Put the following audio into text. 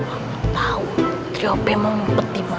aku tau trio bmo mumpet dimana